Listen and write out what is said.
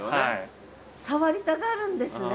触りたがるんですね？